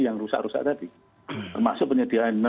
yang rusak rusak tadi termasuk penyediaan